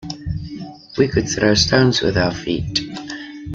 We could throw stones with our feet.